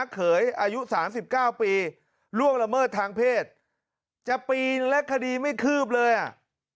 เขยอายุ๓๙ปีร่วงละเมิดทางเพศจะปีนและคดีไม่คืบเลยอะ